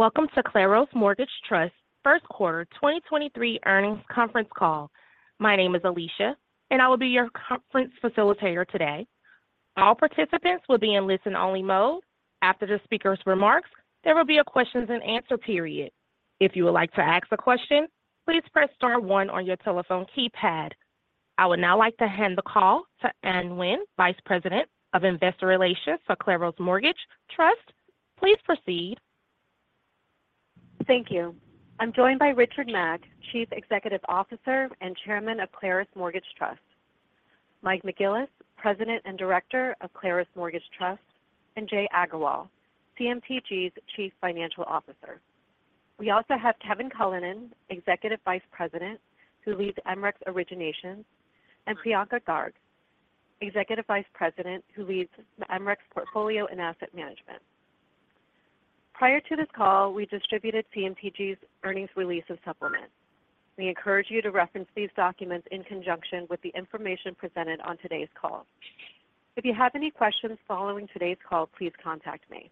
Welcome to Claros Mortgage Trust first quarter 2023 earnings conference call. My name is Alicia. I will be your conference facilitator today. All participants will be in listen-only mode. After the speaker's remarks, there will be a questions and answer period. If you would like to ask a question, please press star one on your telephone keypad. I would now like to hand the call to Anh Huynh, Vice President of Investor Relations for Claros Mortgage Trust. Please proceed. Thank you. I'm joined by Richard Mack, Chief Executive Officer and Chairman of Claros Mortgage Trust, Mike McGillis, President and Director of Claros Mortgage Trust, and Jai Agarwal, CMTG's Chief Financial Officer. We also have Kevin Cullinan, Executive Vice President, who leads MRECS Originations, and Priyanka Garg, Executive Vice President, who leads MRECS Portfolio and Asset Management. Prior to this call, we distributed CMTG's earnings release and supplement. We encourage you to reference these documents in conjunction with the information presented on today's call. If you have any questions following today's call, please contact me.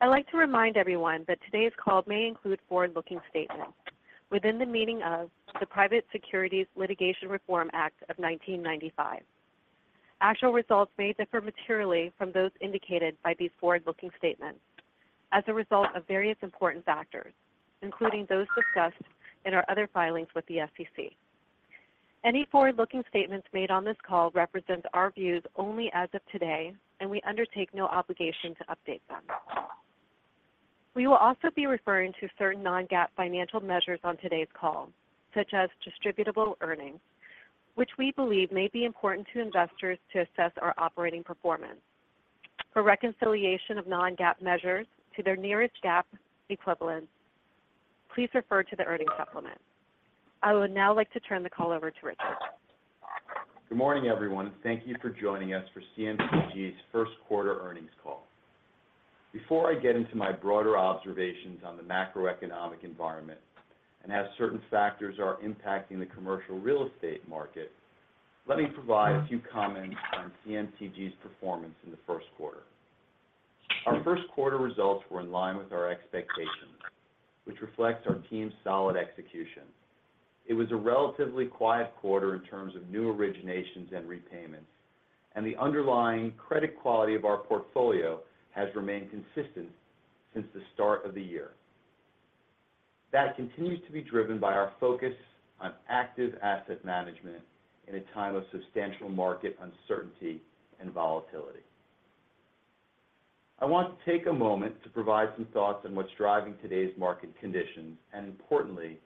I'd like to remind everyone that today's call may include forward-looking statements within the meaning of the Private Securities Litigation Reform Act of 1995. Actual results may differ materially from those indicated by these forward-looking statements as a result of various important factors, including those discussed in our other filings with the SEC. Any forward-looking statements made on this call represent our views only as of today. We undertake no obligation to update them. We will also be referring to certain non-GAAP financial measures on today's call, such as distributable earnings, which we believe may be important to investors to assess our operating performance. For reconciliation of non-GAAP measures to their nearest GAAP equivalent, please refer to the earnings supplement. I would now like to turn the call over to Richard. Good morning, everyone. Thank you for joining us for CMTG's first quarter earnings call. Before I get into my broader observations on the macroeconomic environment and how certain factors are impacting the commercial real estate market, let me provide a few comments on CMTG's performance in the first quarter. Our first quarter results were in line with our expectations, which reflects our team's solid execution. It was a relatively quiet quarter in terms of new originations and repayments, and the underlying credit quality of our portfolio has remained consistent since the start of the year. That continues to be driven by our focus on active asset management in a time of substantial market uncertainty and volatility. I want to take a moment to provide some thoughts on what's driving today's market conditions and importantly,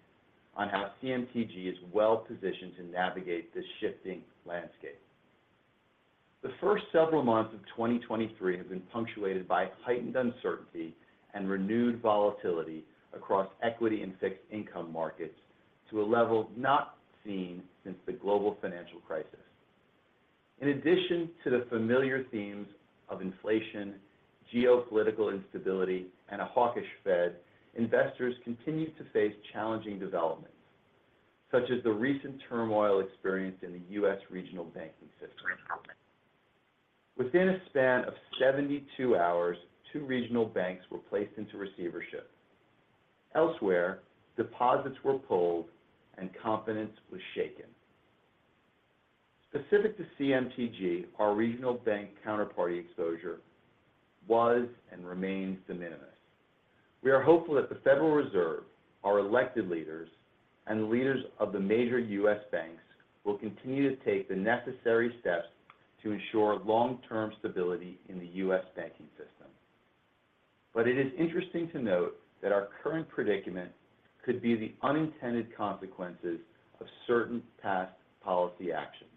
on how CMTG is well positioned to navigate this shifting landscape. The first several months of 2023 have been punctuated by heightened uncertainty and renewed volatility across equity and fixed income markets to a level not seen since the global financial crisis. In addition to the familiar themes of inflation, geopolitical instability, and a hawkish Fed, investors continue to face challenging developments, such as the recent turmoil experienced in the U.S. regional banking system. Within a span of 72 hours, two regional banks were placed into receivership. Elsewhere, deposits were pulled and confidence was shaken. Specific to CMTG, our regional bank counterparty exposure was and remains de minimis. We are hopeful that the Federal Reserve, our elected leaders, and the leaders of the major U.S. banks will continue to take the necessary steps to ensure long-term stability in the U.S. banking system. It is interesting to note that our current predicament could be the unintended consequences of certain past policy actions.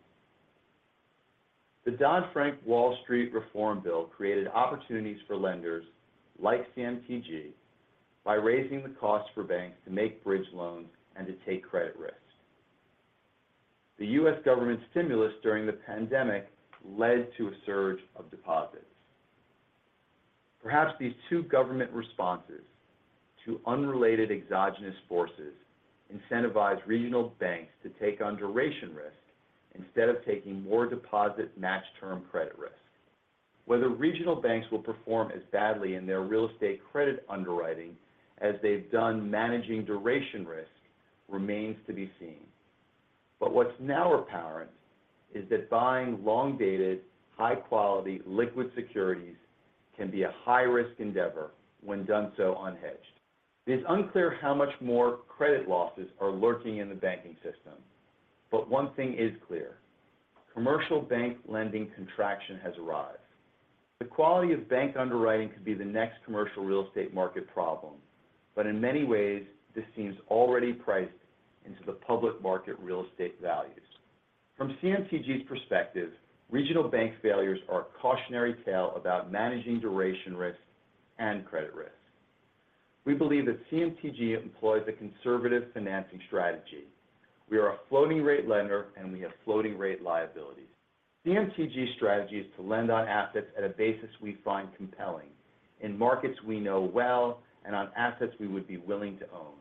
The Dodd-Frank Wall Street Reform Bill created opportunities for lenders like CMTG by raising the cost for banks to make bridge loans and to take credit risks. The U.S. government stimulus during the pandemic led to a surge of deposits. Perhaps these two government responses to unrelated exogenous forces incentivize regional banks to take on duration risk instead of taking more deposit match term credit risk. Whether regional banks will perform as badly in their real estate credit underwriting as they've done managing duration risk remains to be seen. What's now apparent is that buying long-dated, high-quality, liquid securities can be a high-risk endeavor when done so unhedged. It is unclear how much more credit losses are lurking in the banking system. One thing is clear, commercial bank lending contraction has arrived. The quality of bank underwriting could be the next commercial real estate market problem. In many ways, this seems already priced into the public market real estate values. From CMTG's perspective, regional bank failures are a cautionary tale about managing duration risk and credit risk. We believe that CMTG employs a conservative financing strategy. We are a floating rate lender, and we have floating rate liabilities. CMTG's strategy is to lend on assets at a basis we find compelling in markets we know well and on assets we would be willing to own.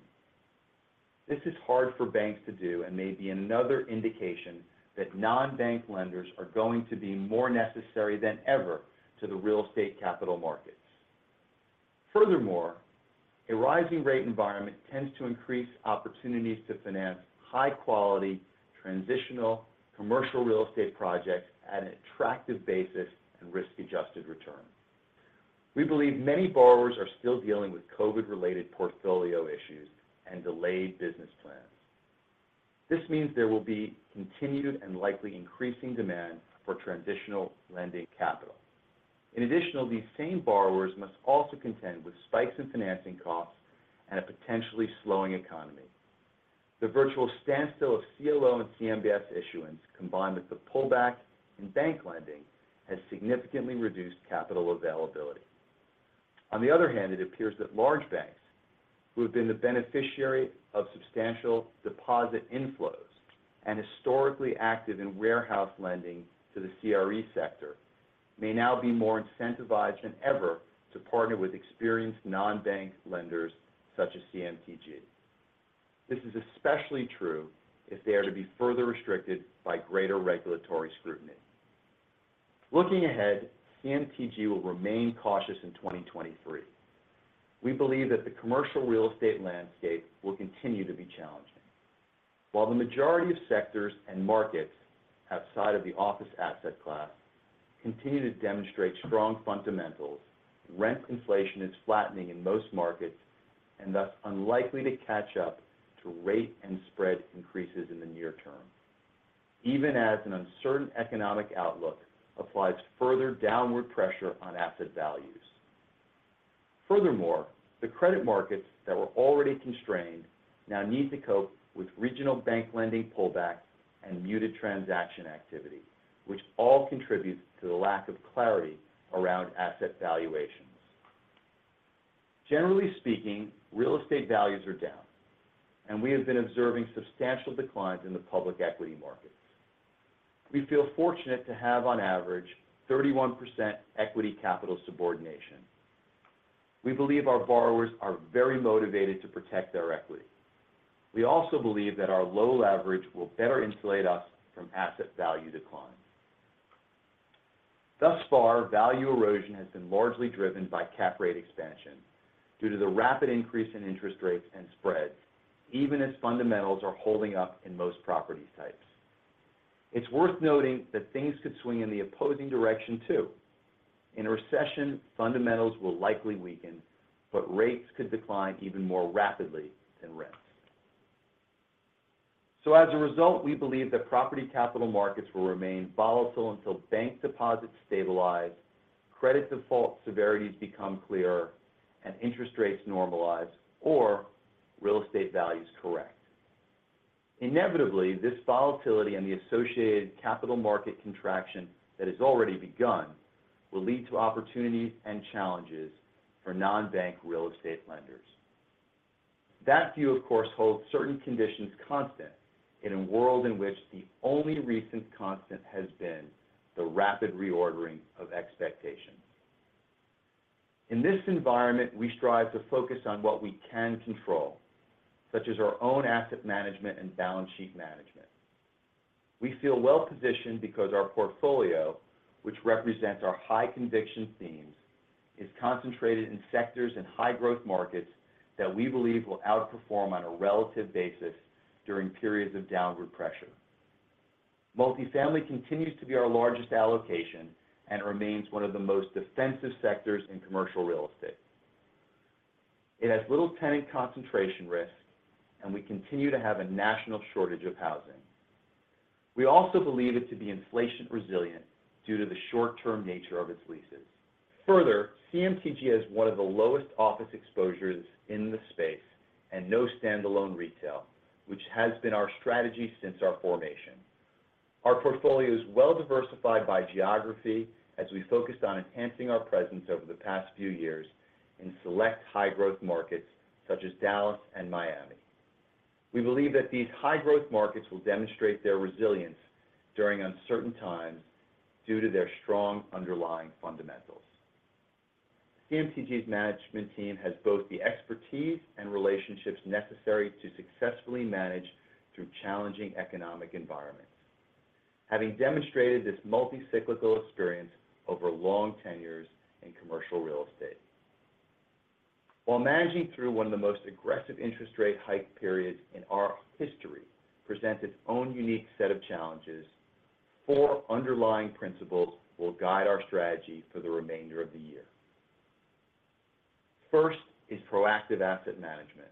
This is hard for banks to do and may be another indication that non-bank lenders are going to be more necessary than ever to the real estate capital markets. Furthermore, a rising rate environment tends to increase opportunities to finance high-quality transitional commercial real estate projects at an attractive basis and risk-adjusted return. We believe many borrowers are still dealing with COVID-related portfolio issues and delayed business plans. This means there will be continued and likely increasing demand for transitional lending capital. In addition, these same borrowers must also contend with spikes in financing costs and a potentially slowing economy. The virtual standstill of CLO and CMBS issuance combined with the pullback in bank lending has significantly reduced capital availability. On the other hand, it appears that large banks, who have been the beneficiary of substantial deposit inflows and historically active in warehouse lending to the CRE sector, may now be more incentivized than ever to partner with experienced non-bank lenders such as CMTG. This is especially true if they are to be further restricted by greater regulatory scrutiny. Looking ahead, CMTG will remain cautious in 2023. We believe that the commercial real estate landscape will continue to be challenging. While the majority of sectors and markets outside of the office asset class continue to demonstrate strong fundamentals, rent inflation is flattening in most markets and thus unlikely to catch up to rate and spread increases in the near term, even as an uncertain economic outlook applies further downward pressure on asset values. The credit markets that were already constrained now need to cope with regional bank lending pullback and muted transaction activity, which all contributes to the lack of clarity around asset valuations. Generally speaking, real estate values are down, and we have been observing substantial declines in the public equity markets. We feel fortunate to have, on average, 31% equity capital subordination. We believe our borrowers are very motivated to protect their equity. We also believe that our low leverage will better insulate us from asset value decline. Thus far, value erosion has been largely driven by cap rate expansion due to the rapid increase in interest rates and spreads, even as fundamentals are holding up in most property types. It's worth noting that things could swing in the opposing direction too. In a recession, fundamentals will likely weaken, but rates could decline even more rapidly than rents. As a result, we believe that property capital markets will remain volatile until bank deposits stabilize, credit default severities become clear, and interest rates normalize or real estate values correct. Inevitably, this volatility and the associated capital market contraction that has already begun will lead to opportunities and challenges for non-bank real estate lenders. That view, of course, holds certain conditions constant in a world in which the only recent constant has been the rapid reordering of expectations. In this environment, we strive to focus on what we can control, such as our own asset management and balance sheet management. We feel well positioned because our portfolio, which represents our high conviction themes, is concentrated in sectors and high growth markets that we believe will outperform on a relative basis during periods of downward pressure. Multifamily continues to be our largest allocation and remains one of the most defensive sectors in commercial real estate. It has little tenant concentration risk, and we continue to have a national shortage of housing. We also believe it to be inflation resilient due to the short-term nature of its leases. Further, CMTG has one of the lowest office exposures in the space and no standalone retail, which has been our strategy since our formation. Our portfolio is well diversified by geography as we focused on enhancing our presence over the past few years in select high growth markets such as Dallas and Miami. We believe that these high growth markets will demonstrate their resilience during uncertain times due to their strong underlying fundamentals. CMTG's management team has both the expertise and relationships necessary to successfully manage through challenging economic environments, having demonstrated this multi-cyclical experience over long tenures in commercial real estate. While managing through one of the most aggressive interest rate hike periods in our history presents its own unique set of challenges, four underlying principles will guide our strategy for the remainder of the year. First is proactive asset management,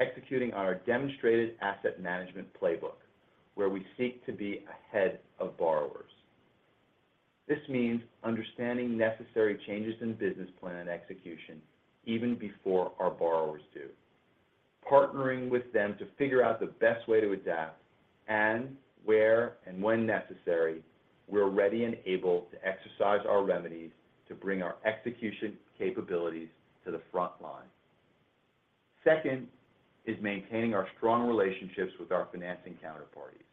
executing our demonstrated asset management playbook where we seek to be ahead of borrowers. This means understanding necessary changes in business plan and execution even before our borrowers do, partnering with them to figure out the best way to adapt and where and when necessary, we're ready and able to exercise our remedies to bring our execution capabilities to the front line. Second is maintaining our strong relationships with our financing counterparties.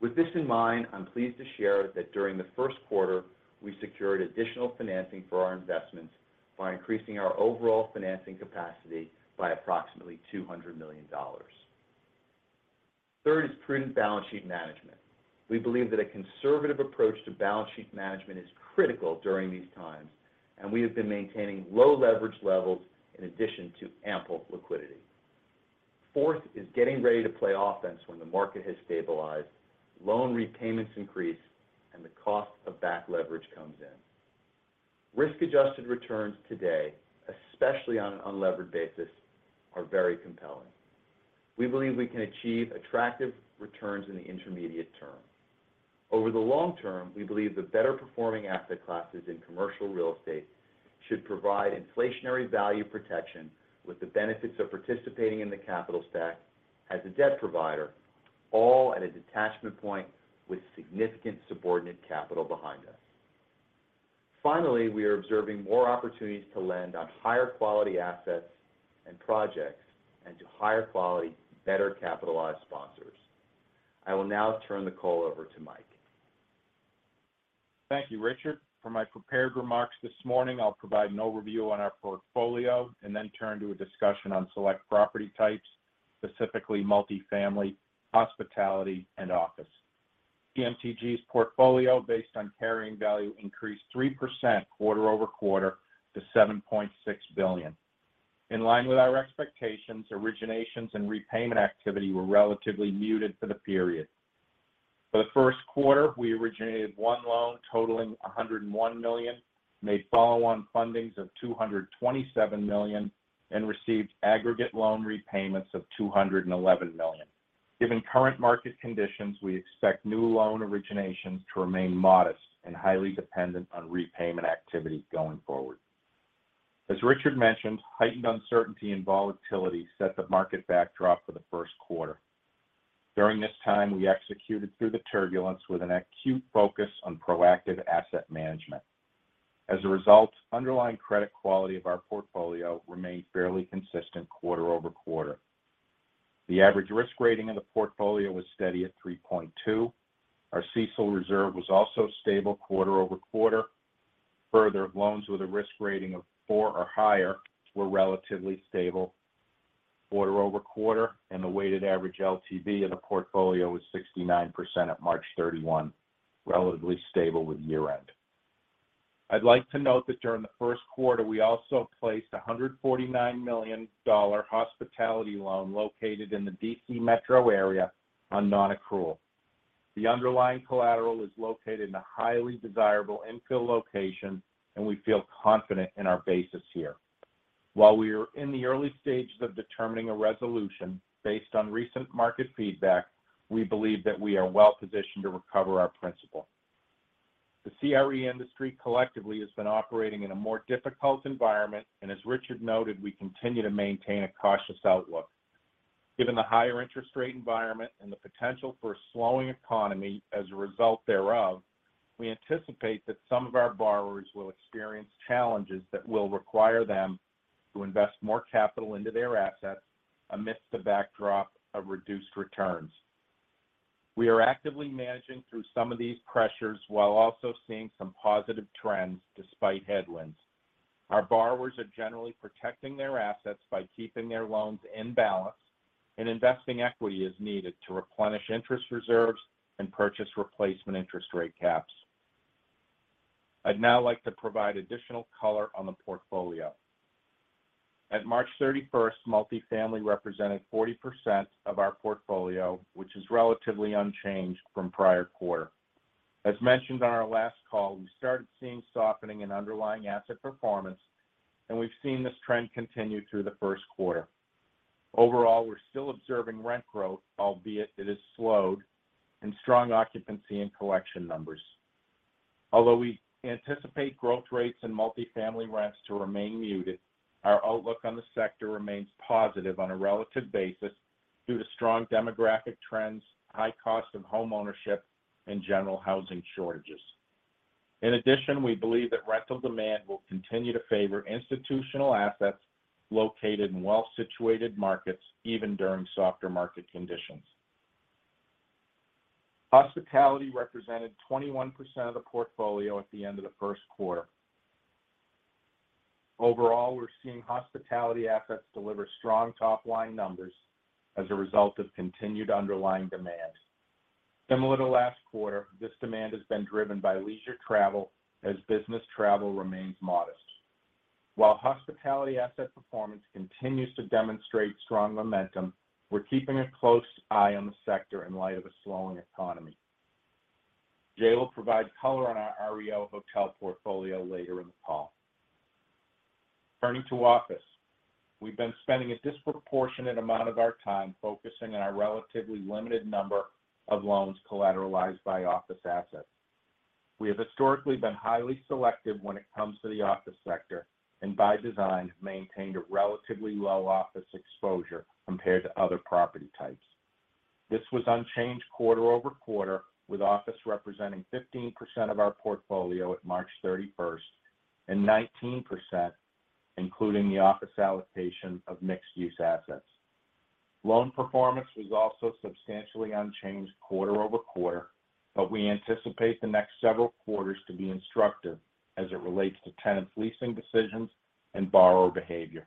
With this in mind, I'm pleased to share that during the first quarter, we secured additional financing for our investments by increasing our overall financing capacity by approximately $200 million. Third is prudent balance sheet management. We believe that a conservative approach to balance sheet management is critical during these times, and we have been maintaining low leverage levels in addition to ample liquidity. Fourth is getting ready to play offense when the market has stabilized, loan repayments increase, and the cost of back leverage comes in. Risk-adjusted returns today, especially on an unlevered basis, are very compelling. We believe we can achieve attractive returns in the intermediate term. Over the long term, we believe the better-performing asset classes in commercial real estate should provide inflationary value protection with the benefits of participating in the capital stack as a debt provider, all at a detachment point with significant subordinate capital behind us. Finally, we are observing more opportunities to lend on higher-quality assets and projects and to higher-quality, better-capitalized sponsors. I will now turn the call over to Mike. Thank you, Richard. For my prepared remarks this morning, I'll provide an overview on our portfolio and then turn to a discussion on select property types, specifically multifamily, hospitality, and office. CMTG's portfolio, based on carrying value, increased 3% quarter-over-quarter to $7.6 billion. In line with our expectations, originations and repayment activity were relatively muted for the period. For the first quarter, we originated one loan totaling $101 million, made follow-on fundings of $227 million, and received aggregate loan repayments of $211 million. Given current market conditions, we expect new loan originations to remain modest and highly dependent on repayment activity going forward. As Richard mentioned, heightened uncertainty and volatility set the market backdrop for the first quarter. During this time, we executed through the turbulence with an acute focus on proactive asset management. As a result, underlying credit quality of our portfolio remained fairly consistent quarter-over-quarter. The average risk rating of the portfolio was steady at 3.2. Our CECL reserve was also stable quarter-over-quarter. Loans with a risk rating of four or higher were relatively stable quarter-over-quarter, and the weighted average LTV of the portfolio was 69% at March 31, relatively stable with year-end. I'd like to note that during the first quarter, we also placed a $149 million hospitality loan located in the D.C. metro area on non-accrual. The underlying collateral is located in a highly desirable infill location, and we feel confident in our basis here. While we are in the early stages of determining a resolution, based on recent market feedback, we believe that we are well-positioned to recover our principal. The CRE industry collectively has been operating in a more difficult environment, and as Richard noted, we continue to maintain a cautious outlook. Given the higher interest rate environment and the potential for a slowing economy as a result thereof, we anticipate that some of our borrowers will experience challenges that will require them to invest more capital into their assets amidst the backdrop of reduced returns. We are actively managing through some of these pressures while also seeing some positive trends despite headwinds. Our borrowers are generally protecting their assets by keeping their loans in balance and investing equity as needed to replenish interest reserves and purchase replacement interest rate caps. I'd now like to provide additional color on the portfolio. At March 31st, multifamily represented 40% of our portfolio, which is relatively unchanged from prior quarter. As mentioned on our last call, we started seeing softening in underlying asset performance, and we've seen this trend continue through the first quarter. Overall, we're still observing rent growth, albeit it has slowed, and strong occupancy and collection numbers. Although we anticipate growth rates in multifamily rents to remain muted, our outlook on the sector remains positive on a relative basis due to strong demographic trends, high cost of homeownership, and general housing shortages. In addition, we believe that rental demand will continue to favor institutional assets located in well-situated markets even during softer market conditions. Hospitality represented 21% of the portfolio at the end of the first quarter. Overall, we're seeing hospitality assets deliver strong top-line numbers as a result of continued underlying demand. Similar to last quarter, this demand has been driven by leisure travel as business travel remains modest. While hospitality asset performance continues to demonstrate strong momentum, we're keeping a close eye on the sector in light of a slowing economy. Jai will provide color on our REO hotel portfolio later in the call. Turning to office, we've been spending a disproportionate amount of our time focusing on our relatively limited number of loans collateralized by office assets. We have historically been highly selective when it comes to the office sector and by design maintained a relatively low office exposure compared to other property types. This was unchanged quarter-over-quarter, with office representing 15% of our portfolio at March 31st and 19% including the office allocation of mixed-use assets. Loan performance was also substantially unchanged quarter-over-quarter, but we anticipate the next several quarters to be instructive as it relates to tenants' leasing decisions and borrower behavior.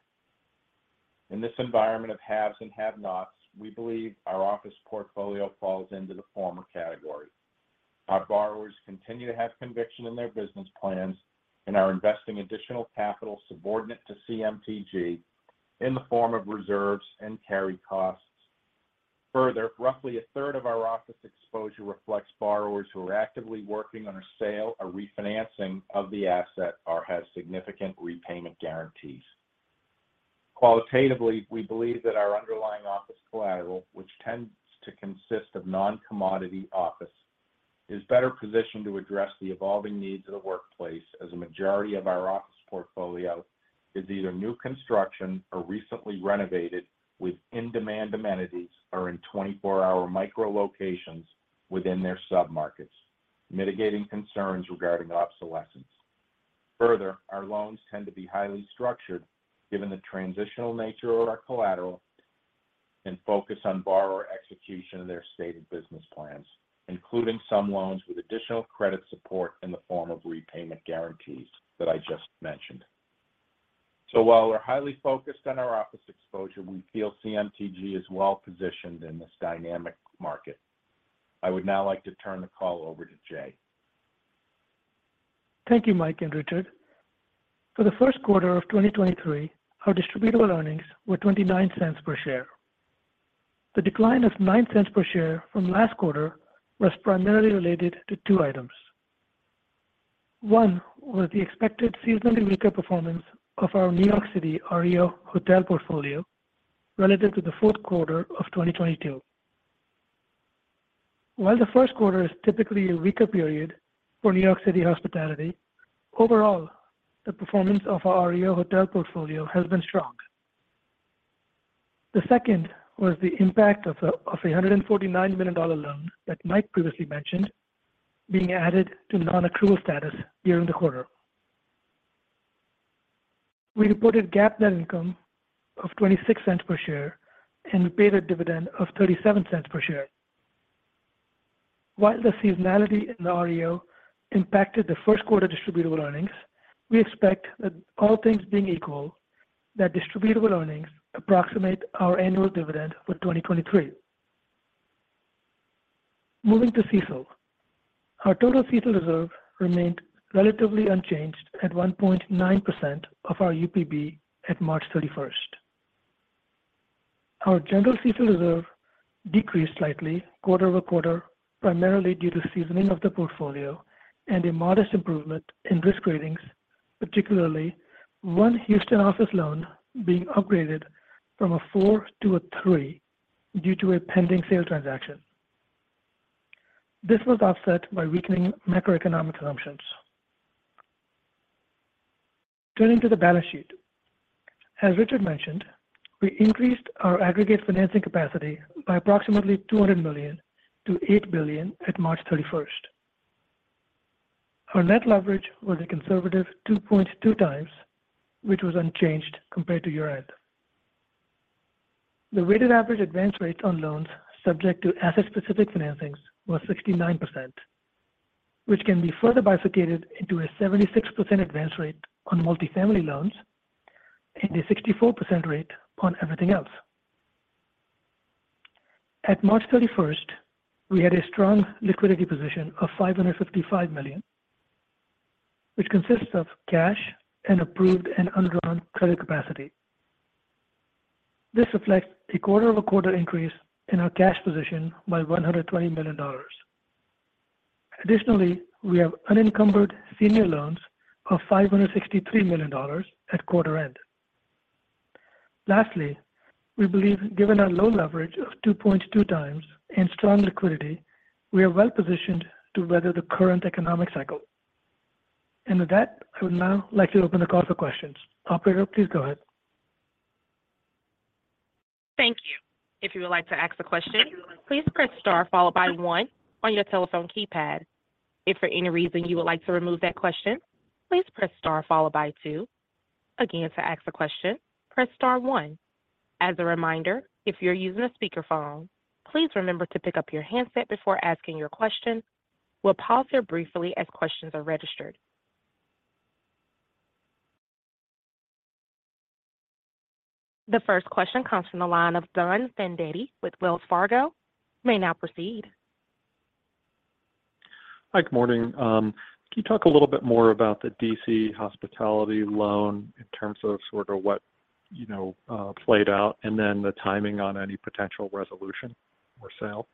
In this environment of haves and have-nots, we believe our office portfolio falls into the former category. Our borrowers continue to have conviction in their business plans and are investing additional capital subordinate to CMTG in the form of reserves and carry costs. Further, roughly a third of our office exposure reflects borrowers who are actively working on a sale or refinancing of the asset or have significant repayment guarantees. Qualitatively, we believe that our underlying office collateral, which tends to consist of non-commodity office, is better positioned to address the evolving needs of the workplace as a majority of our office portfolio is either new construction or recently renovated with in-demand amenities or in 24-hour micro locations within their submarkets, mitigating concerns regarding obsolescence. Further, our loans tend to be highly structured given the transitional nature of our collateral and focus on borrower execution of their stated business plans, including some loans with additional credit support in the form of repayment guarantees that I just mentioned. While we're highly focused on our office exposure, we feel CMTG is well positioned in this dynamic market. I would now like to turn the call over to Jai. Thank you, Mike and Richard. For the first quarter of 2023, our distributable earnings were $0.29 per share. The decline of $0.09 per share from last quarter was primarily related to two items. One was the expected seasonally weaker performance of our New York City REO hotel portfolio relative to the fourth quarter of 2022. While the first quarter is typically a weaker period for New York City hospitality, overall, the performance of our REO hotel portfolio has been strong. The second was the impact of a $149 million loan that Mike previously mentioned being added to non-accrual status during the quarter. We reported GAAP net income of $0.26 per share and we paid a dividend of $0.37 per share. While the seasonality in the REO impacted the first quarter distributable earnings, we expect that all things being equal, that distributable earnings approximate our annual dividend for 2023. Moving to CECL. Our total CECL reserve remained relatively unchanged at 1.9% of our UPB at March 31st. Our general CECL reserve decreased slightly quarter-over-quarter, primarily due to seasoning of the portfolio and a modest improvement in risk ratings, particularly one Houston office loan being upgraded from a four to a three due to a pending sale transaction. This was offset by weakening macroeconomic assumptions. Turning to the balance sheet. As Richard mentioned, we increased our aggregate financing capacity by approximately $200 million to $8 billion at March 31st. Our net leverage was a conservative 2.2 times, which was unchanged compared to year-end. The weighted average advance rate on loans subject to asset-specific financings was 69%, which can be further bifurcated into a 76% advance rate on multifamily loans and a 64% rate on everything else. At March 31st, we had a strong liquidity position of $555 million, which consists of cash and approved and undrawn credit capacity. This reflects a quarter-over-quarter increase in our cash position by $120 million. We have unencumbered senior loans of $563 million at quarter end. We believe given our loan leverage of 2.2 times and strong liquidity, we are well positioned to weather the current economic cycle. With that, I would now like to open the call for questions. Operator, please go ahead. Thank you. If you would like to ask a question, please press star followed by one on your telephone keypad. If for any reason you would like to remove that question, please press star followed by two. Again, to ask a question, press star one. As a reminder, if you're using a speakerphone, please remember to pick up your handset before asking your question. We'll pause here briefly as questions are registered. The first question comes from the line of Donald Fandetti with Wells Fargo. You may now proceed. Hi, good morning. Can you talk a little bit more about the D.C. Hospitality loan in terms of sort of what, you know, played out and then the timing on any potential resolution or sale?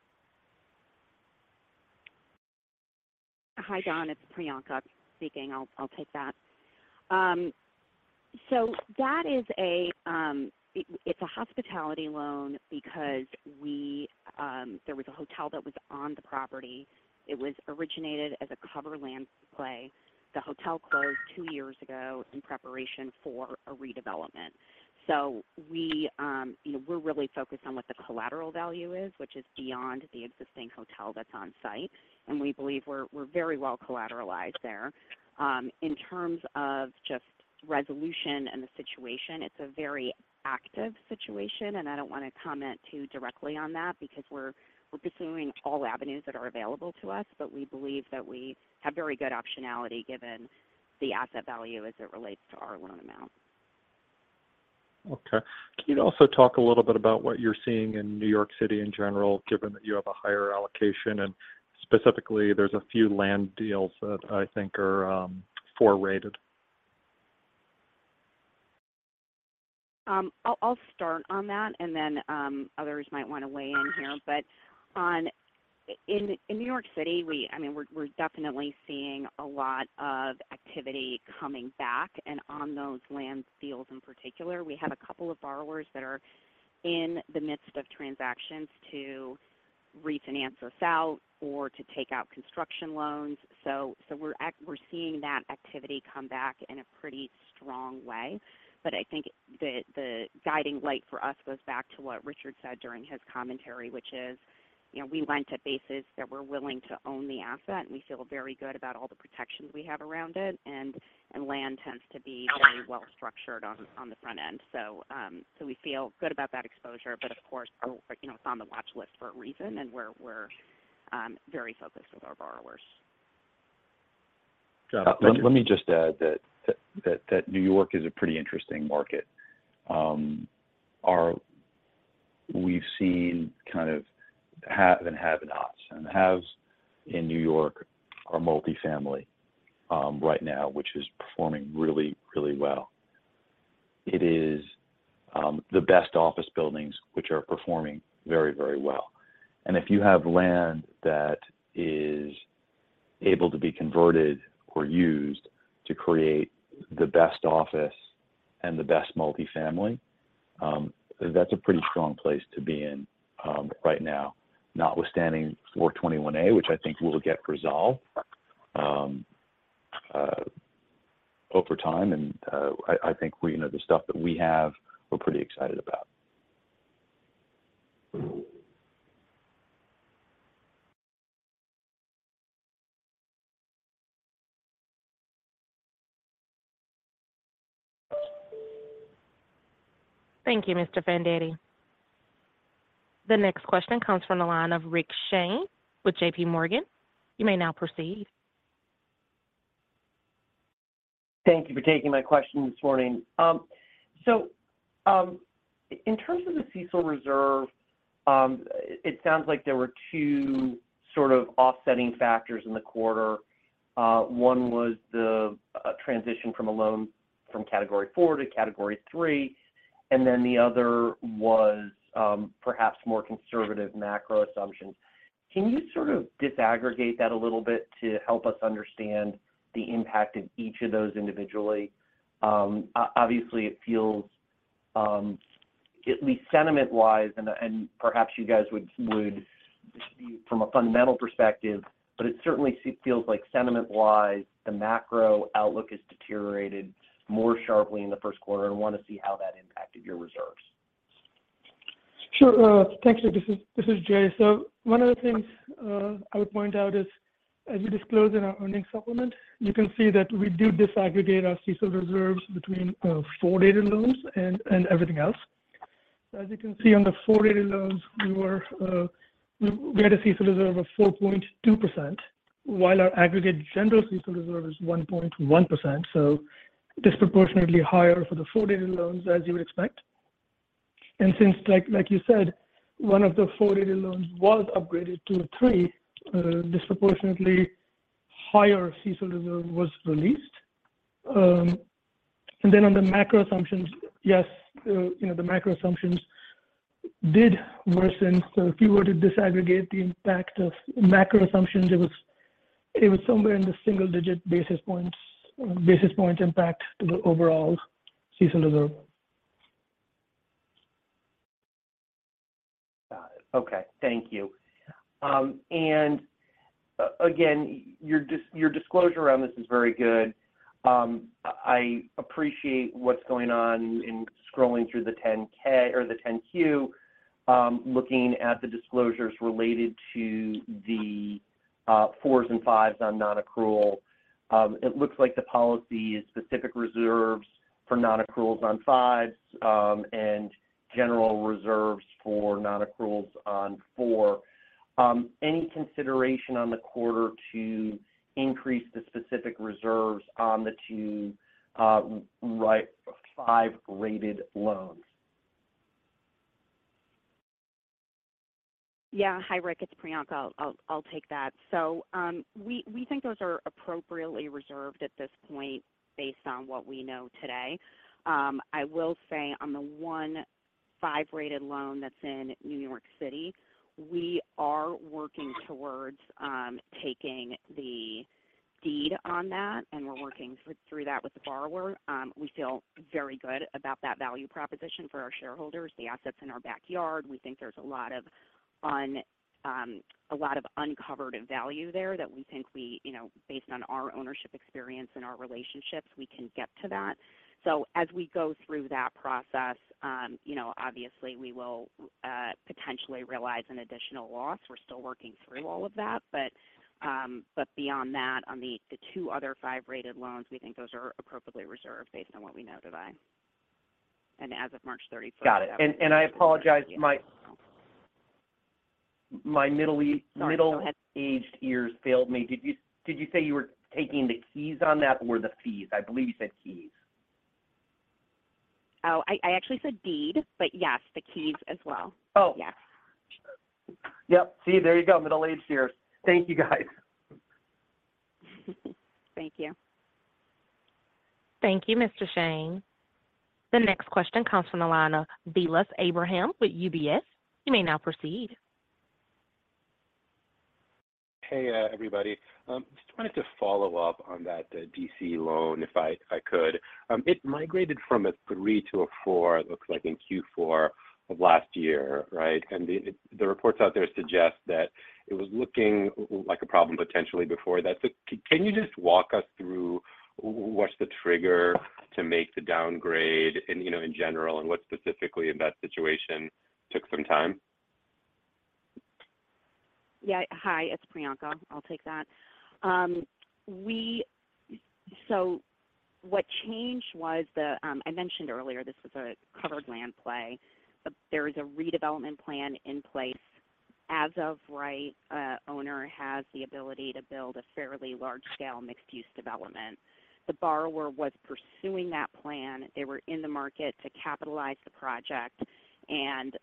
Hi, Don, it's Priyanka speaking. I'll take that. That is a, it's a hospitality loan because we, there was a hotel that was on the property. It was originated as a covered land play. The hotel closed two years ago in preparation for a redevelopment. We, you know, we're really focused on what the collateral value is, which is beyond the existing hotel that's on site. We believe we're very well collateralized there. In terms of just resolution and the situation, it's a very active situation, and I don't want to comment too directly on that because we're pursuing all avenues that are available to us. We believe that we have very good optionality given the asset value as it relates to our loan amount. Okay. Can you also talk a little bit about what you're seeing in New York City in general, given that you have a higher allocation and specifically there's a few land deals that I think are, four-rated. I'll start on that, and then others might wanna weigh in here. In New York City, we, I mean, we're definitely seeing a lot of activity coming back. On those land deals in particular, we have a couple of borrowers that are in the midst of transactions to refinance or sell or to take out construction loans. we're seeing that activity come back in a pretty strong way. I think the guiding light for us goes back to what Richard said during his commentary, which is, you know, we lend to bases that we're willing to own the asset, and we feel very good about all the protections we have around it. Land tends to be very well structured on the front end. we feel good about that exposure. Of course, you know, it's on the watch list for a reason, and we're very focused with our borrowers. John- Let me just add that New York is a pretty interesting market. We've seen kind of the have and have-nots. The haves in New York are multifamily, right now, which is performing really, really well. It is the best office buildings which are performing very, very well. If you have land that is able to be converted or used to create the best office and the best multifamily, that's a pretty strong place to be in, right now, notwithstanding 421-a, which I think will get resolved over time. I think we, you know, the stuff that we have, we're pretty excited about. Thank you, Mr. Fandetti. The next question comes from the line of Rick Shane with JPMorgan. You may now proceed. Thank you for taking my question this morning. In terms of the CECL reserve, it sounds like there were two sort of offsetting factors in the quarter. One was the transition from a loan from category four to category three, and then the other was perhaps more conservative macro assumptions. Can you sort of disaggregate that a little bit to help us understand the impact of each of those individually? Obviously it feels, at least sentiment-wise, and perhaps you guys would from a fundamental perspective, but it certainly feels like sentiment-wise, the macro outlook has deteriorated more sharply in the first quarter, and wanna see how that impacted your reserves. Sure. Thanks, Rick Shane. This is Jai Agarwal. One of the things I would point out is, as we disclose in our earnings supplement, you can see that we do disaggregate our CECL reserves between four data loans and everything else. As you can see on the four data loans, we had a CECL reserve of 4.2%, while our aggregate general CECL reserve is 1.1%, disproportionately higher for the four data loans, as you would expect. Since, like you said, one of the four data loans was upgraded to a three, disproportionately higher CECL reserve was released. On the macro assumptions, yes, you know, the macro assumptions did worsen. If you were to disaggregate the impact of macro assumptions, it was somewhere in the single digit basis points impact to the overall CECL reserve. Got it. Okay. Thank you. Again, your disclosure on this is very good. I appreciate what's going on in scrolling through the 10-K or the 10-Q, looking at the disclosures related to the 4s and 5s on non-accrual. It looks like the policy is specific reserves for non-accruals on 5s, general reserves for non-accruals on four. Any consideration on the quarter to increase the specific reserves on the two, five-rated loans? Hi, Rick. It's Priyanka. I'll take that. We think those are appropriately reserved at this point based on what we know today. I will say on the 1-5 rated loan that's in New York City, we are working towards taking the deed on that, and we're working through that with the borrower. We feel very good about that value proposition for our shareholders, the assets in our backyard. We think there's a lot of uncovered value there that we think we, you know, based on our ownership experience and our relationships, we can get to that. As we go through that process, you know, obviously we will potentially realize an additional loss. We're still working through all of that. Beyond that, on the two other five-rated loans, we think those are appropriately reserved based on what we know today and as of March 31st. Got it. I apologize my. My middle Sorry, go ahead.... aged ears failed me. Did you say you were taking the keys on that or the fees? I believe you said keys. Oh, I actually said deed, but yes, the keys as well. Oh. Yes. Yep. See, there you go, middle-aged ears. Thank you, guys. Thank you. Thank you, Mr. Shane. The next question comes from the line of Vilas Abraham with UBS. You may now proceed. Hey, everybody. Just wanted to follow up on that D.C. loan if I could. It migrated from a three to a four, it looks like in Q4 of last year, right? The reports out there suggest that it was looking like a problem potentially before that. Can you just walk us through what's the trigger to make the downgrade and, you know, in general and what specifically in that situation took some time? Yeah. Hi, it's Priyanka. I'll take that. I mentioned earlier this is a covered land play. There is a redevelopment plan in place. As of right, owner has the ability to build a fairly large scale mixed-use development. The borrower was pursuing that plan. They were in the market to capitalize the project and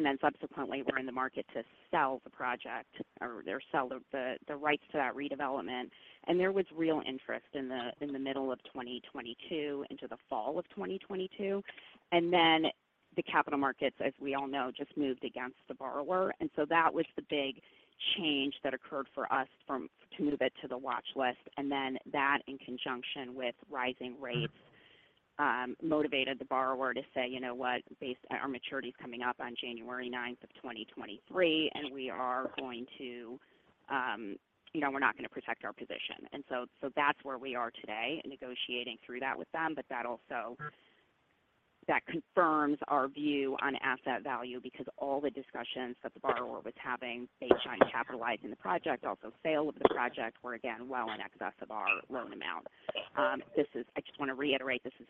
then subsequently were in the market to sell the project or sell the rights to that redevelopment. There was real interest in the, in the middle of 2022 into the fall of 2022. The capital markets, as we all know, just moved against the borrower. That was the big change that occurred for us to move it to the watch list. That in conjunction with rising rates, motivated the borrower to say, "You know what? Our maturity's coming up on January 9, 2023, and we are going to, you know, we're not gonna protect our position." So that's where we are today, negotiating through that with them. That also, that confirms our view on asset value because all the discussions that the borrower was having based on capitalizing the project, also sale of the project, were again well in excess of our loan amount. This is I just wanna reiterate, this is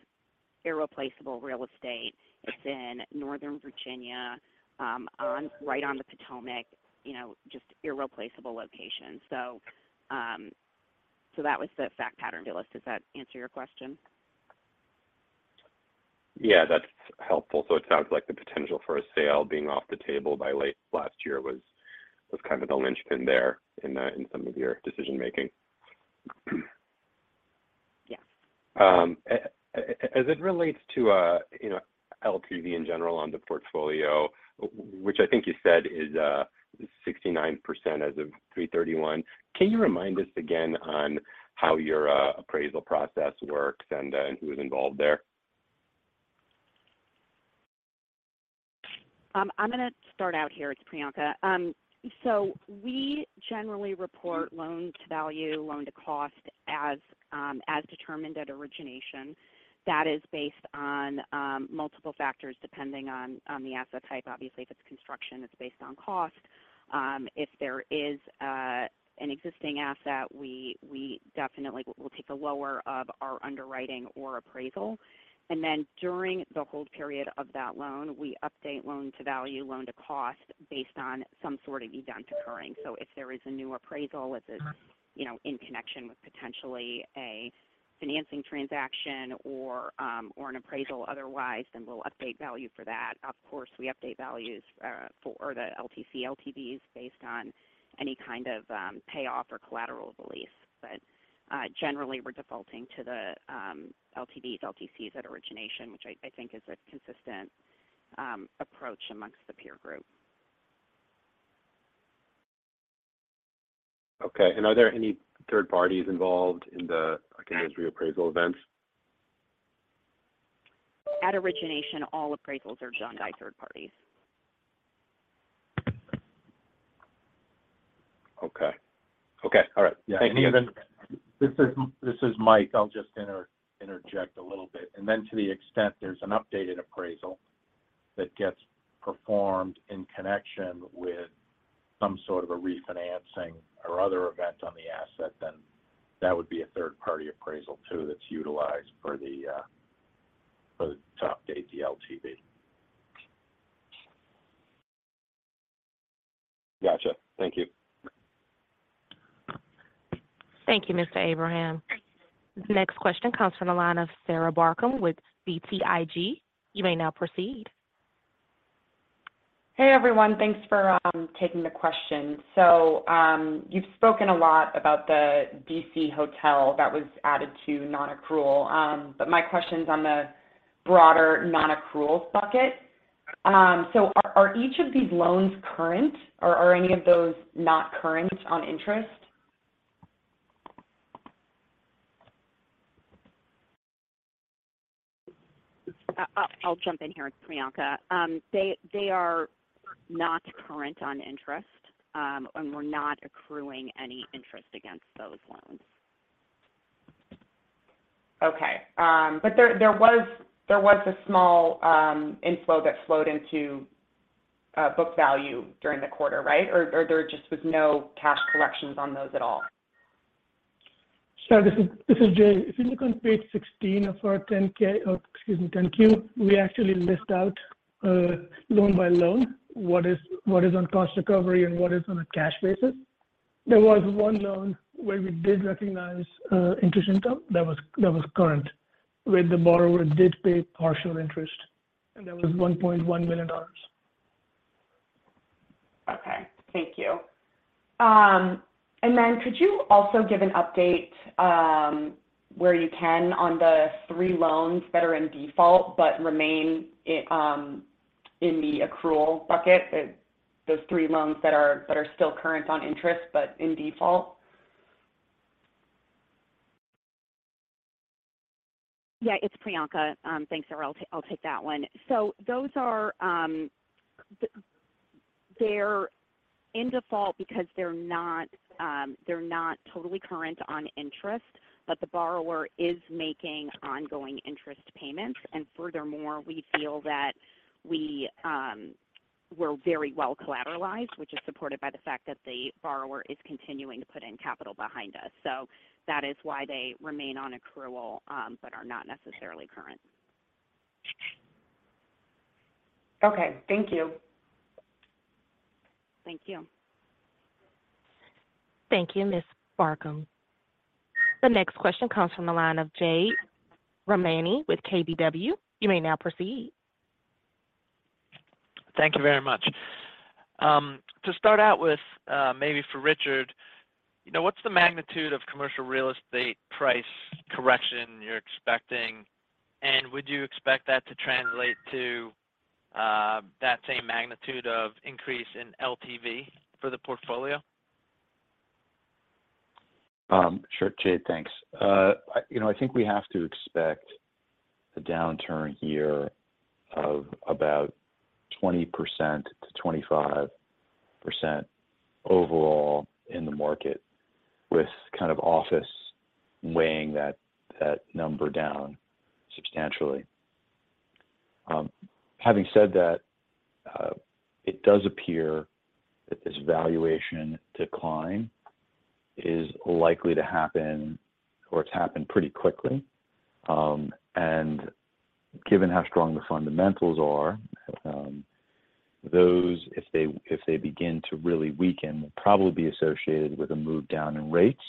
irreplaceable real estate. It's in Northern Virginia, right on the Potomac, you know, just irreplaceable location. That was the fact pattern, Vilas. Does that answer your question? Yeah, that's helpful. It sounds like the potential for a sale being off the table by late last year was kind of the linchpin there in some of your decision making. Yes. As it relates to, you know, LTV in general on the portfolio, which I think you said is 69% as of 3/31, can you remind us again on how your appraisal process works and who is involved there? I'm gonna start out here. It's Priyanka. We generally report loan to value, loan to cost as determined at origination. That is based on multiple factors, depending on the asset type. Obviously, if it's construction, it's based on cost. If there is an existing asset, we definitely will take the lower of our underwriting or appraisal. During the hold period of that loan, we update loan to value, loan to cost based on some sort of event occurring. If there is a new appraisal, if it's, you know, in connection with potentially a financing transaction or an appraisal otherwise, we'll update value for that. Of course, we update values or the LTC, LTVs based on any kind of payoff or collateral release. Generally, we're defaulting to the LTVs, LTCs at origination, which I think is a consistent approach amongst the peer group. Okay. Are there any third parties involved in the, again, those reappraisal events? At origination, all appraisals are done by third parties. Okay. Okay, all right. Thank you. Yeah. Even. This is Mike. I'll just interject a little bit. To the extent there's an updated appraisal that gets performed in connection with some sort of a refinancing or other event on the asset, then that would be a third party appraisal too that's utilized for the for the updated LTV. Gotcha. Thank you. Thank you, Mr. Abraham. Next question comes from the line of Sarah Barcomb with BTIG. You may now proceed. Hey, everyone. Thanks for taking the question. You've spoken a lot about the D.C. hotel that was added to non-accrual. My question's on the broader non-accrual bucket. Are each of these loans current or are any of those not current on interest? I'll jump in here. It's Priyanka. They are not current on interest, and we're not accruing any interest against those loans. Okay. There was a small, inflow that flowed into, book value during the quarter, right? Or there just was no cash collections on those at all? Sure. This is Jai. If you look on page 16 of our 10-K, or excuse me, 10-Q, we actually list out loan by loan, what is on cost recovery and what is on a cash basis. There was one loan where we did recognize interest income that was current, where the borrower did pay partial interest, and that was $1.1 million. Okay. Thank you. Could you also give an update, where you can on the three loans that are in default but remain in the accrual bucket? Those three loans that are still current on interest but in default. Yeah. It's Priyanka. Thanks. I'll take that one. Those are they're in default because they're not totally current on interest, but the borrower is making ongoing interest payments. Furthermore, we feel that we're very well collateralized, which is supported by the fact that the borrower is continuing to put in capital behind us. That is why they remain on accrual, but are not necessarily current. Okay. Thank you. Thank you. Thank you, Ms. Barcomb. The next question comes from the line of Jade Rahmani with KBW. You may now proceed. Thank you very much. To start out with, maybe for Richard, you know, what's the magnitude of commercial real estate price correction you're expecting? Would you expect that to translate to, that same magnitude of increase in LTV for the portfolio? Sure, Jade. Thanks. I, you know, I think we have to expect a downturn here of about 20%-25% overall in the market, with kind of office weighing that number down substantially. Having said that, it does appear that this valuation decline is likely to happen or it's happened pretty quickly. Given how strong the fundamentals are, those if they begin to really weaken, will probably be associated with a move down in rates,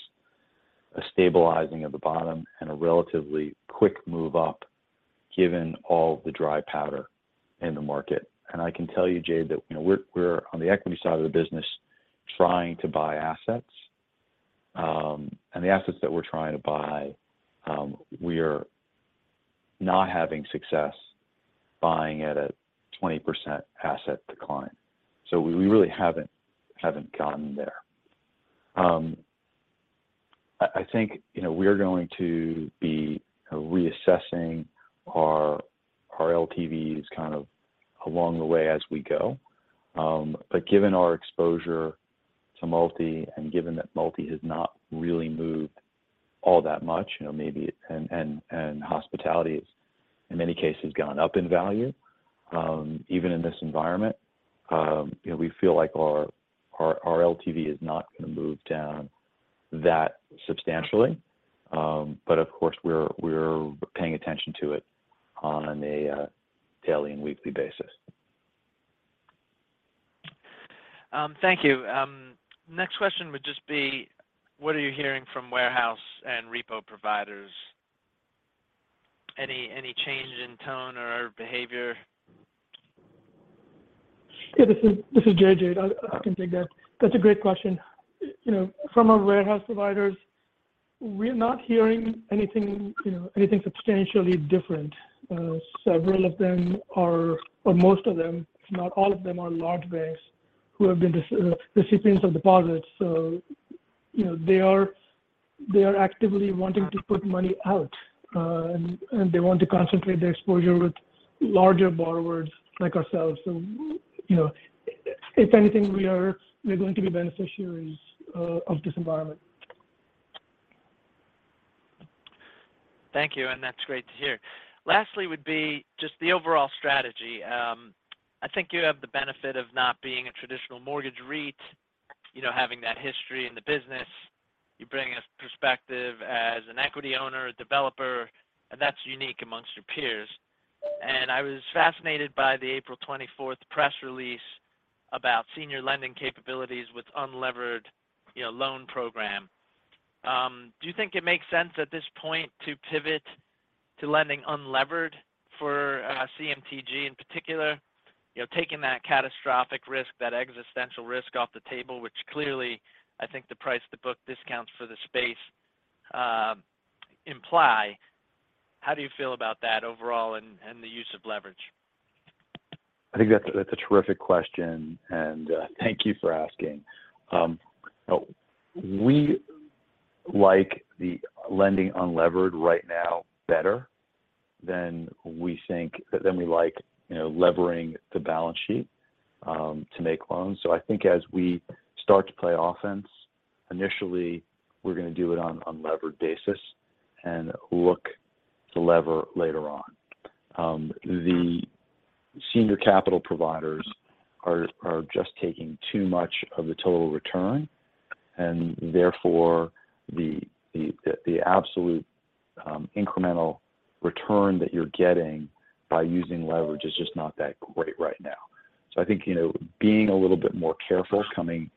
a stabilizing of the bottom, and a relatively quick move up given all the dry powder in the market. I can tell you, Jade, that, you know, we're on the equity side of the business trying to buy assets. The assets that we're trying to buy, we are not having success buying at a 20% asset decline. We really haven't gotten there. I think, you know, we are going to be reassessing our LTVs kind of along the way as we go. But given our exposure to multi and given that multi has not really moved all that much, you know, maybe and hospitality in many cases gone up in value, even in this environment, you know, we feel like our LTV is not going to move down that substantially. But of course we're paying attention to it on a daily and weekly basis. Thank you. Next question would just be, what are you hearing from warehouse and repo providers? Any change in tone or behavior? Yeah, this is Jai, Jade. I can take that. That's a great question. You know, from our warehouse providers we're not hearing anything, you know, anything substantially different. Several of them are, or most of them, if not all of them, are large banks who have been recipients of deposits. They are actively wanting to put money out, and they want to concentrate their exposure with larger borrowers like ourselves. If anything we're going to be beneficiaries of this environment. Thank you, that's great to hear. Lastly, would be just the overall strategy. I think you have the benefit of not being a traditional mortgage REIT, you know, having that history in the business. You bring a perspective as an equity owner, a developer, and that's unique amongst your peers. I was fascinated by the April 24th press release about senior lending capabilities with unlevered, you know, loan program. Do you think it makes sense at this point to pivot to lending unlevered for CMTG in particular? You know, taking that catastrophic risk, that existential risk off the table, which clearly I think the price to book discounts for the space imply. How do you feel about that overall and the use of leverage? I think that's a terrific question, and thank you for asking. We like the lending unlevered right now better than we like, you know, levering the balance sheet to make loans. I think as we start to play offense, initially we're gonna do it on unlevered basis and look to lever later on. Senior capital providers are just taking too much of the total return, and therefore the absolute incremental return that you're getting by using leverage is just not that great right now. I think, you know, being a little bit more careful coming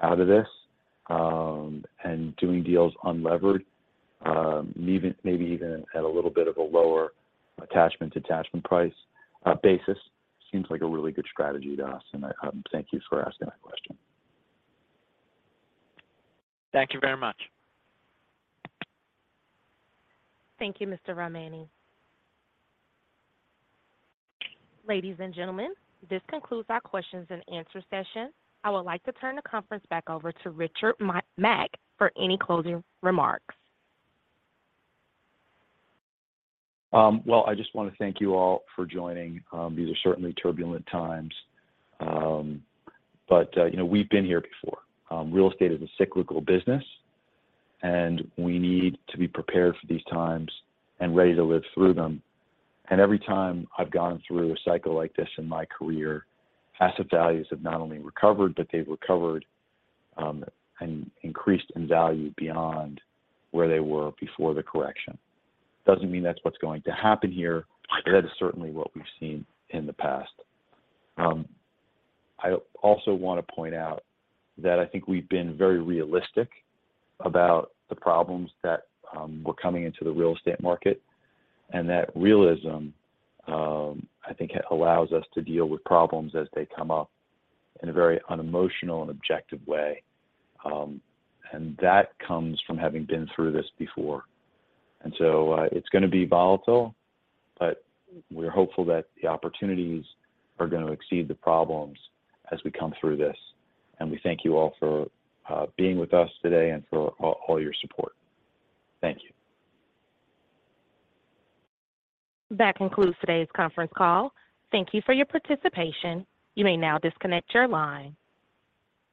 out of this, and doing deals unlevered, even maybe even at a little bit of a lower attachment to attachment price basis seems like a really good strategy to us. Thank you for asking that question. Thank you very much. Thank you, Mr. Rahmani. Ladies and gentlemen, this concludes our questions and answer session. I would like to turn the conference back over to Richard Mack for any closing remarks. Well, I just want to thank you all for joining. These are certainly turbulent times. You know, we've been here before. Real estate is a cyclical business, and we need to be prepared for these times and ready to live through them. Every time I've gone through a cycle like this in my career, asset values have not only recovered, but they've recovered and increased in value beyond where they were before the correction. Doesn't mean that's what's going to happen here. That is certainly what we've seen in the past. I also want to point out that I think we've been very realistic about the problems that were coming into the real estate market. That realism, I think allows us to deal with problems as they come up in a very unemotional and objective way. That comes from having been through this before. It's going to be volatile, but we're hopeful that the opportunities are going to exceed the problems as we come through this. We thank you all for being with us today and for all your support. Thank you. That concludes today's conference call. Thank you for your participation. You may now disconnect your line.